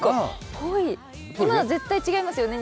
濃い、今の絶対違いますよね？